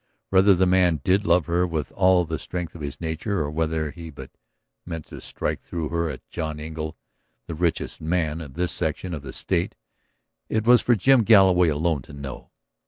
Whether the man did love her with all of the strength of his nature or whether he but meant to strike through her at John Engle, the richest man of this section of the State, it was for Jim Galloway alone to know.